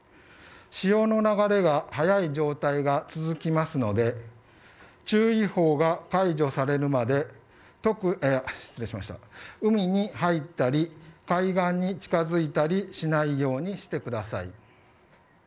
潮の流れが速い状態が続きますので注意報が解除されるまで海に入ったり海岸に近づいたりしないようにしてください。